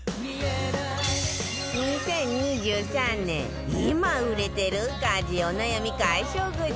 ２０２３年今売れてる家事お悩み解消グッズ